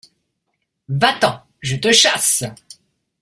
Va-t’en ! je te chasse.